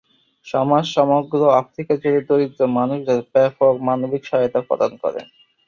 সমাজ সমগ্র আফ্রিকা জুড়ে দরিদ্র মানুষদের ব্যাপক মানবিক সহায়তা প্রদান করে।